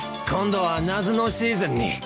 今度は夏のシーズンに。